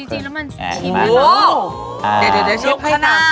ชิมได้มั้ยเชฟ